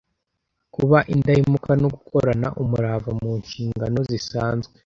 kuba indahemuka no gukorana umurava mu nshingano zisanzwe.